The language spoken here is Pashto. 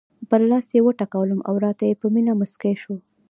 پر لاس یې وټکولم او راته په مینه مسکی شول.